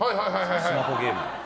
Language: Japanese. スマホゲームの。